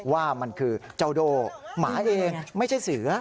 ว่ามันคือเจ้าโด่หมาเองไม่ใช่เสือ